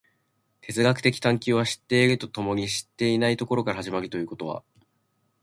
哲学的探求は知っていると共に知っていないところから始まるということは、